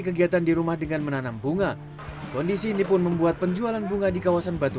kegiatan di rumah dengan menanam bunga kondisi ini pun membuat penjualan bunga di kawasan batu